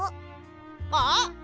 あっ！